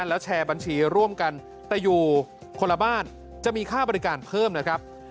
แล้วแชร์บัญชีร่วมกันแต่อยู่คนละบ้านจะมีค่าบริการเพิ่มนะครับ